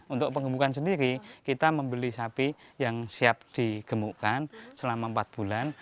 untuk penggemukan sendiri kita membeli sapi yang siap digemukkan selama empat bulan